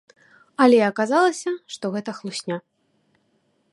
Але аказалася, што гэта хлусня.